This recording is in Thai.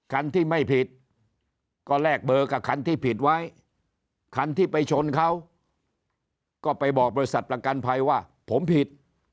คันที่ไม่ผิดก็แลกเบอร์กับคันที่ผิดไว้คันที่ไปชนเขาก็ไปบอกบริษัทประกันภัยว่าผมผิด